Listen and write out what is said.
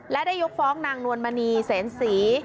และได้ยกฟ้องนางนวลมณีเสนศรี